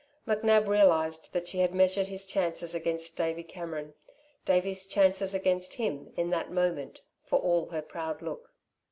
McNab realised that she had measured his chances against Davey Cameron, Davey's chances against him, in that moment, for all her proud look.